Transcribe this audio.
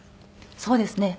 そうですね。